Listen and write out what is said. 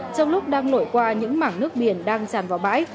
trong lúc đang nổi qua những mảng nước biển đang tràn vào bãi